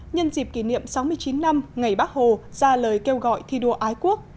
nhân dịp kỷ niệm sáu mươi chín năm ngày bác hồ ra lời kêu gọi thi đua ái quốc